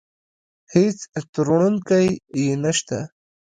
هېڅ تروړونکی يې نشته.